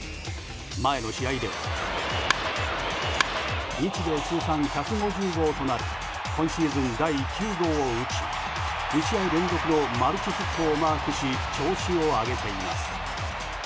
前の試合で日米通算１５０号となる今シーズン第９号を打ち２試合連続のマルチヒットをマークし調子を上げています。